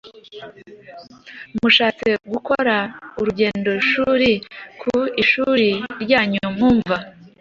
Mushatse gukora urugendoshuri ku ishuri ryanyu mwumva